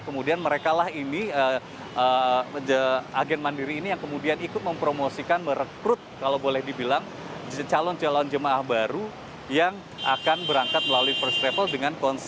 kemudian merekalah ini agen mandiri ini yang kemudian ikut mempromosikan merekrut kalau boleh dibilang calon calon jemaah baru yang akan berangkat melalui first travel dengan konsep